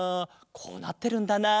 こうなってるんだな。